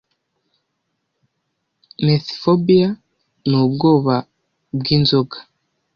Methyphobia nubwoba bwa Inzoga